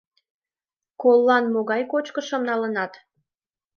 — Коллан могай кочкышым налынат?